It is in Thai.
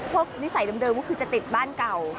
นิสัยเดิมก็คือจะติดบ้านเก่า